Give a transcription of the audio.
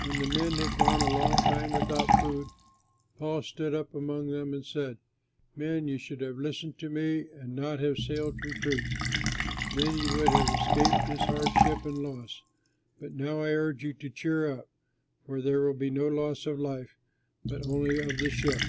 When the men had gone a long time without food, Paul stood up among them and said, "Men, you should have listened to me and not have sailed from Crete, then you would have escaped this hardship and loss. But now I urge you to cheer up, for there will be no loss of life, but only of the ship.